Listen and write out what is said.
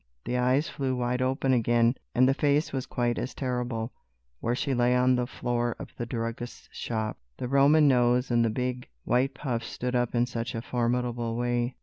The eyes flew wide open again, and the face was quite as terrible, where she lay on the floor of the druggist's shop; the Roman nose and the big white puffs stood up in such a formidable way.